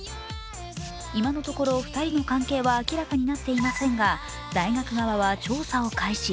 今のところ２人の関係は明らかになっていませんが大学側は調査を開始。